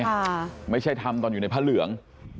ค่ะไม่ใช่ทำตอนอยู่ในผ้าเหลือง